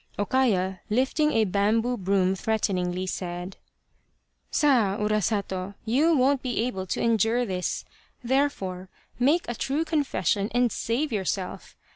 O Kaya, lifting a bamboo broom threateningly, said, " Sa ! Urasato, you won't be able to endure this therefore make a true confession and save yourself.